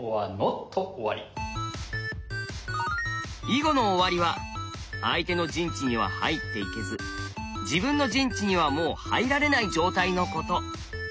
囲碁の終わりは相手の陣地には入っていけず自分の陣地にはもう入られない状態のこと。